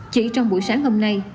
chỉ trong buổi sáng hôm nay